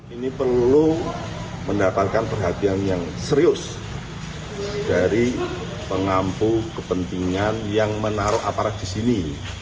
ini perlu mendatangkan perhatian yang serius dari pengampu kepentingan yang menaruh aparat di sini